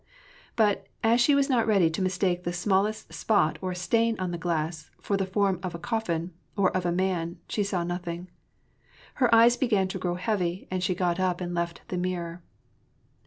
But, as she was not ready to mistake the smallest spot or stain on the glass for the form of coffin or of a man, she saw noth ing. Her eyes began to grow heavy, and she got up and left the mirror.